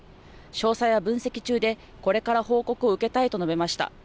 詳細は分析中で、これから報告を受けたいと述べました。